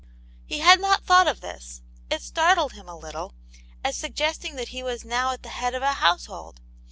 He had not thought of this ; it startled him a little, as suggesting that he was now at the head of a household.